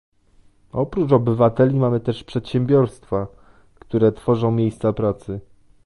Oprócz obywateli mamy też przedsiębiorstwa, które tworzą miejsca pracy